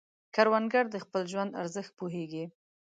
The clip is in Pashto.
کروندګر د خپل ژوند ارزښت پوهیږي